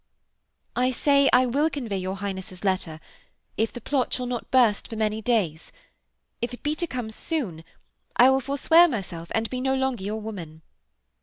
'I say I will convey your Highness' letter if the plot shall not burst for many days. If it be to come soon I will forswear myself and be no longer your woman.'